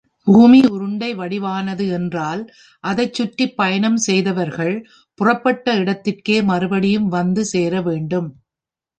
பூமி உருண்டை வடிவானது என்றால், அதைச் சுற்றிப் பயணம் செய்தவர்கள் புறப்பட்ட இடத்திற்கே மறுபடியும் வந்த சேரவேண்டும்!